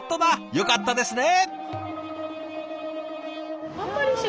よかったですね。